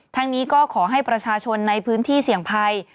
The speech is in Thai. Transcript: ทั้งนี้ก็ขอให้ประชาชนในพื้นที่เสี่ยงภัย